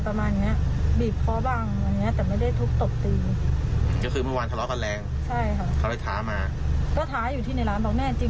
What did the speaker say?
การที่หนูมายิงเค้าหนูตั้งใจว่าตนหนูเองจะตายเหมือนกัน